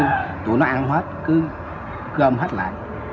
mà nó kêu tụi nó ăn hết cứ cơm hết lại